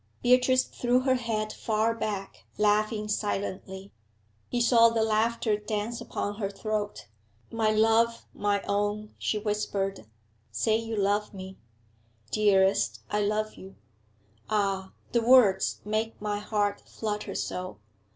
Beatrice threw her head far back, laughing silently; he saw the laughter dance upon her throat. 'My love! my own!' she whispered. 'Say you love me!' 'Dearest, I love you!' 'Ah! the words make my heart flutter so!